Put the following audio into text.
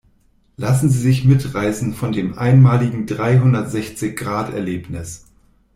Lassen Sie sich mitreißen von dem einmaligen Dreihundertsechzig-Grad-Erlebnis!